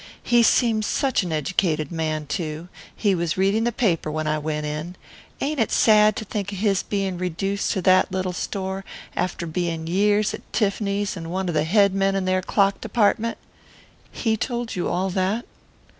"He seems such an educated man, too. He was reading the paper when I went in. Ain't it sad to think of his being reduced to that little store, after being years at Tiff'ny's, and one of the head men in their clock department?" "He told you all that?"